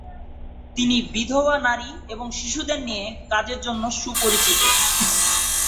তিনি বিধবা নারী এবং শিশুদের নিয়ে কাজের জন্য সুপরিচিত।